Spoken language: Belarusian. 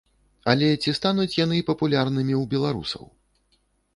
Але ці стануць яны папулярнымі ў беларусаў?